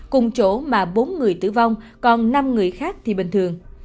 cùng chỗ mà bốn người tử vong còn năm người khác thì bình thường